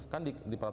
kan di peraturan kpud